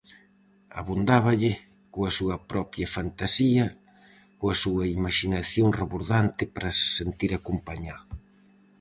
Abondáballe coa súa propia fantasía, coa súa imaxinación rebordante para se sentir acompañado.